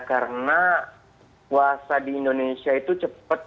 karena puasa di indonesia itu cepet